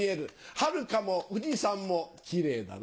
はるかも富士山もキレイだな。